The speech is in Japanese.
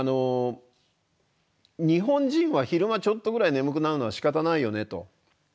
日本人は昼間ちょっとぐらい眠くなるのはしかたないよねと。